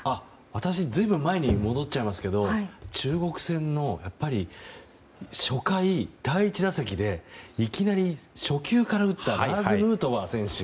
私は随分前に戻っちゃいますけど中国戦の初回第１打席で初球からいきなり打ったラーズ・ヌートバー選手。